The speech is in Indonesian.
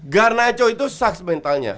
garnacho itu sucks mentalnya